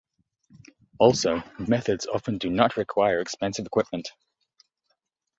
Also, methods often do not require expensive equipment.